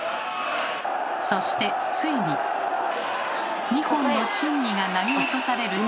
そしてついに２本の宝木が投げ落とされると。